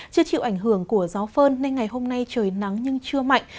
chưa chịu ảnh hưởng của gió phơn nên ngày hôm nay trời nắng nhưng chưa mạnh